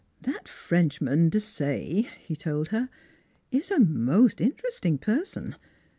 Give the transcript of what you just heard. " That Frenchman, Desaye," he told her, " is a most interesting person.